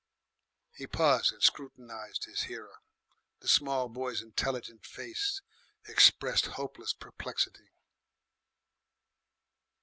He paused, and scrutinised his hearer. The small boy's intelligent face expressed hopeless perplexity.